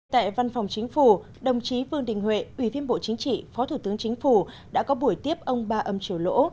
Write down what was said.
tại văn phòng chính phủ đồng chí vương đình huệ ủy viên bộ chính trị phó thủ tướng chính phủ đã có buổi tiếp ông ba âm triều lỗ